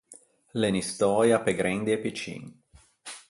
L’é unn’istöia pe grendi e piccin.